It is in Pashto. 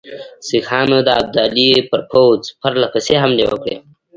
سیکهانو د ابدالي پر پوځ پرله پسې حملې وکړې.